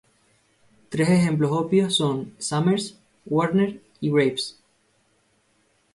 Tres ejemplos obvios son Summers, Warner, y Graves.